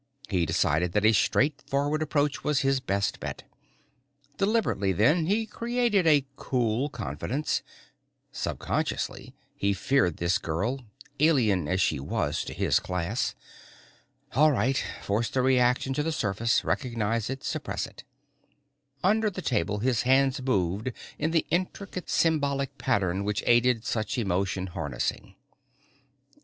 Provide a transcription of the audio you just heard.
He decided that a straightforward approach was his best bet. Deliberately then he created a cool confidence. Subconsciously he feared this girl, alien as she was to his class. All right, force the reaction to the surface, recognize it, suppress it. Under the table his hands moved in the intricate symbolic pattern which aided such emotion harnessing.